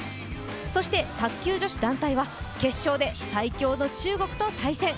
そして卓球女子団体は、決勝で最強の中国と対戦。